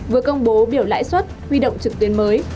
vừa công bố biểu lãi suất huy động trực tuyến mới